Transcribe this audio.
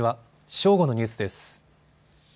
正午のニュースです。